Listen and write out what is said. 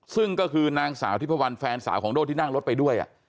ซึ่งก็คือนางสาวทิพวันแฟนสาวของโด่ที่นั่งรถไปด้วย